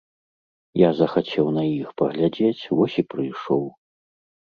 Я захацеў на іх паглядзець, вось і прыйшоў.